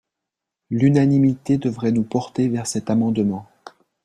L’unanimité devrait nous porter vers cet amendement